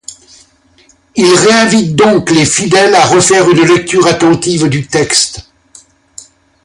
Il réinvite donc les fidèles à refaire une lecture attentive du texte.